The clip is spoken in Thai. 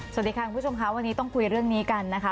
สวัสดีค่ะคุณผู้ชมค่ะวันนี้ต้องคุยเรื่องนี้กันนะคะ